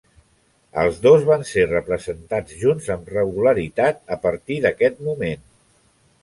Els dos van ser representats junts amb regularitat a partir d'aquest moment.